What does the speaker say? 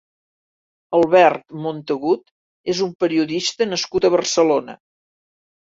Albert Montagut és un periodista nascut a Barcelona.